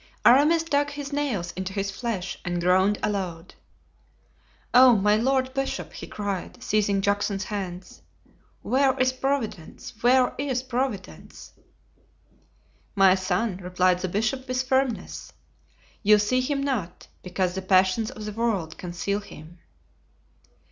Aramis dug his nails into his flesh and groaned aloud. "Oh! my lord bishop," he cried, seizing Juxon's hands, "where is Providence? where is Providence?" "My son," replied the bishop, with firmness, "you see Him not, because the passions of the world conceal Him."